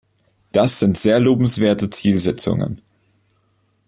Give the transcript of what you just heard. Das sind sehr lobenswerte Zielsetzungen.